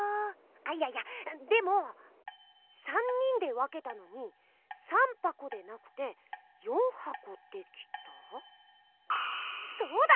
あいやいやでも３人で分けたのに３ぱこでなくて４はこできた⁉そうだ！